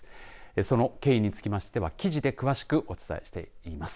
その経緯につきましては記事で詳しくお伝えしています。